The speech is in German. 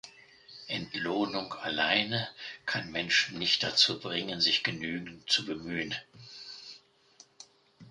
Entlohnung alleine kann Menschen nicht dazu bringen, sich genügend zu bemühen.